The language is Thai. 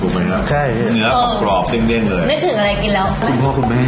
โอ๋อยู่ยากแล้วโลกนี้